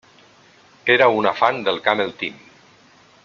Era una fan del Camel Team.